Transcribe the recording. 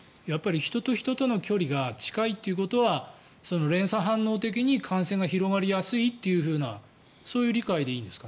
人と人との距離が近いということは連鎖反応的に感染が広がりやすいというそういう理解でいいんですか？